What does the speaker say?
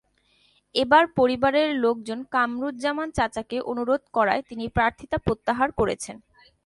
এবার পরিবারের লোকজন কামরুজ্জামান চাচাকে অনুরোধ করায় তিনি প্রার্থিতা প্রত্যাহার করেছেন।